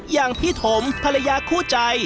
อย่างพี่ถมภรรยาคู่ใจ